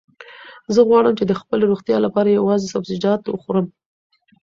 زه غواړم چې د خپلې روغتیا لپاره یوازې سبزیجات وخورم.